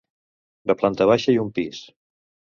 De planta baixa i un pis.